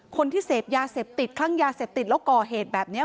คนที่เสพยาเสพติดคลั่งยาเสพติดแล้วก่อเหตุแบบนี้